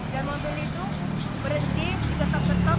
dan mobil itu berhenti diketok ketok